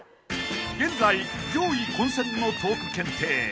［現在上位混戦のトーク検定］